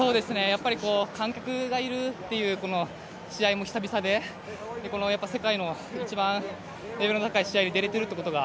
観客がいるっていう試合も久々で世界の一番レベルの高い試合に出れているということは